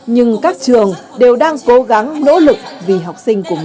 nhưng các trường đều đang cố gắng nỗ lực vì học sinh của mình